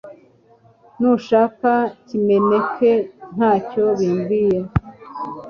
Nushaka kimeneke ntacyo bimbwiye